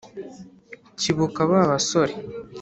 Cyo ibuka ba basore